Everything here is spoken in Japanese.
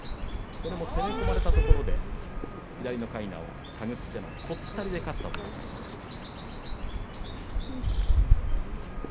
これも攻め込まれたところで左のかいなを手繰ってのとったりで勝ったという内容でした。